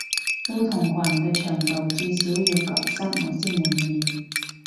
褲同裙嘅長度至少要及膝我先滿意